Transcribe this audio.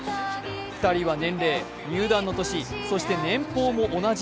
２人は年齢、入団の年、そして年俸も同じ。